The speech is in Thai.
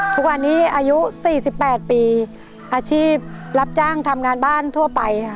ทุกวันนี้อายุ๔๘ปีอาชีพรับจ้างทำงานบ้านทั่วไปค่ะ